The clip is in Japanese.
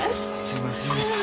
すいません。